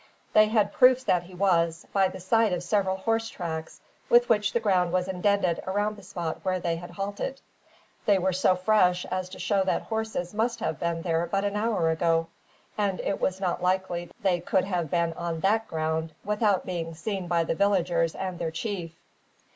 They had proofs that he was, by the sight of several horse tracks with which the ground was indented around the spot where they had halted. They were so fresh as to show that horses must have been there but an hour ago; and it was not likely they could have been on that ground without being seen by the villagers and their chief.